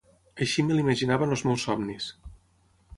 Així me l'imaginava en els meus somnis.